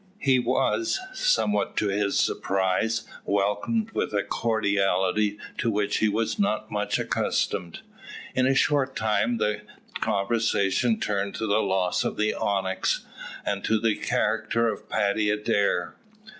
He was, somewhat to his surprise, welcomed with a cordiality to which he was not much accustomed. In a short time the conversation turned to the loss of the Onyx, and to the character of Paddy Adair.